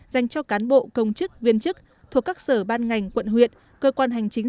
dành cho cán bộ công chức viên chức thuộc các sở ban ngành quận huyện cơ quan hành chính